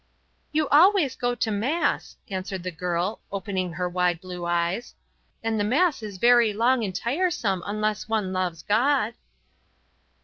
"You always go to Mass," answered the girl, opening her wide blue eyes, "and the Mass is very long and tiresome unless one loves God."